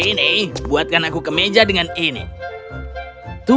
eh nih buatkan aku ke meja dengan kamu